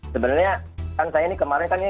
sebenarnya kan saya ini kemarin